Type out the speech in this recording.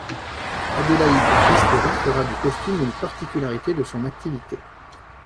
Adelaïde Ristori fera du costume une particularité de son activité.